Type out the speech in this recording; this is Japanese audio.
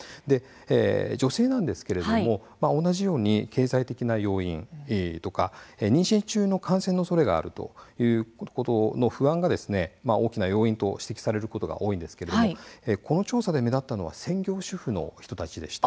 女性なんですが同じように経済的な要因ですとか妊娠中の感染のおそれがあるという不安が大きな要因と指摘されることが多いですがこの調査で目立ったのは専業主婦の人たちでした。